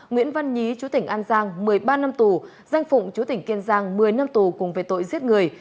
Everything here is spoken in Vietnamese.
nguyễn văn nhí chú tỉnh an giang một mươi ba năm tù danh phụng chú tỉnh kiên giang một mươi năm tù cùng về tội giết người